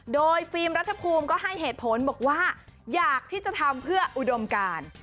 โดยฟิล์มรัฐภูมิก็ให้เหตุผลบอกว่าอยากที่จะทำเพื่ออุดมการ